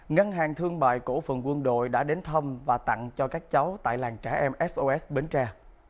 ngân hàng thương bài cổ phần quân đội đã đến thăm và tặng cho các cháu tại làng trẻ em sos bến tre